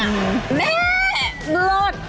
แม่เลิศ